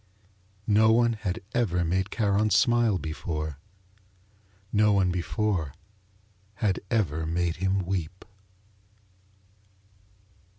No one had ever made Charon smile before, no one before had ever made him weep.